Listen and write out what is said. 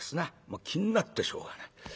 もう気になってしょうがない。